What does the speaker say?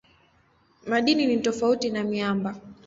Madini ni tofauti na miamba.